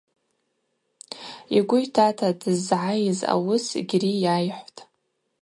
Йгвы йтата дыззгӏайыз ауыс Гьри йайхӏвтӏ.